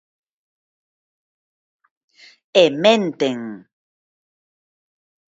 ¡E menten!